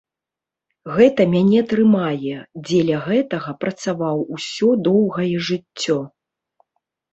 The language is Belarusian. Гэта мяне трымае, дзеля гэтага працаваў усё доўгае жыццё.